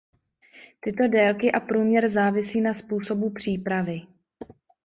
Tyto délky a průměr závisí na způsobu přípravy.